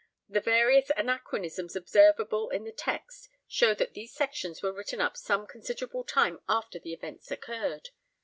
The various anachronisms observable in the text show that these sections were written up some considerable time after the events occurred.